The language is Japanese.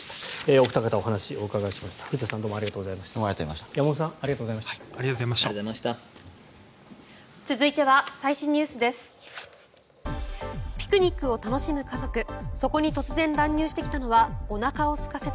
お二方お話をお伺いしました。